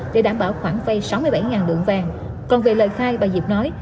để đảm bảo khoản vay sáu mươi bảy lượng vàng còn về lời khai bà diệp nói